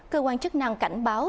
cơ quan chức năng cảnh báo